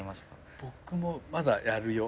僕もまだやるよ。